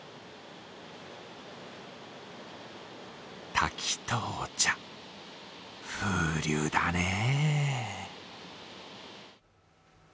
滝とお茶、風流だねぇ。